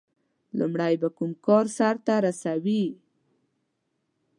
• لومړی به کوم کار سر ته رسوي؟